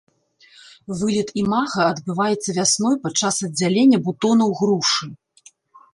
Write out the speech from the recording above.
Вылет імага адбываецца вясной падчас аддзялення бутонаў грушы.